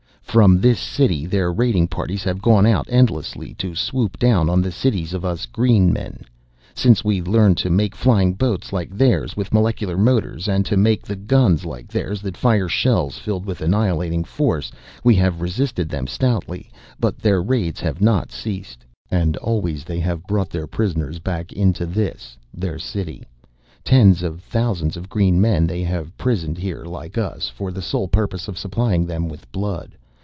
"From this city their raiding parties have gone out endlessly to swoop down on the cities of us green men. Since we learned to make flying boats like theirs, with molecular motors, and to make the guns like theirs that fire shells filled with annihilating force, we have resisted them stoutly but their raids have not ceased. And always they have brought their prisoners back in to this, their city. "Tens of thousands of green men they have prisoned here like us, for the sole purpose of supplying them with blood.